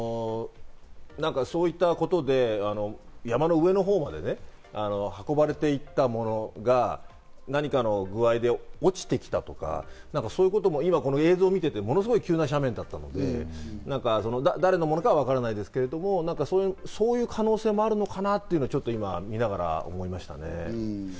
そういったことで山の上のほうまで運ばれていったものが何かの具合で落ちてきたとか、映像を見ていてものすごく急な斜面だったので、誰のものかはわからないですけど、そういう可能性もあるのかなというのは見ながら思いましたね。